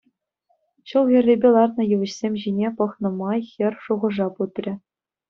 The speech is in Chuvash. Ҫул хӗррипе лартнӑ йывӑҫсем ҫине пӑхнӑ май хӗр шухӑша путрӗ.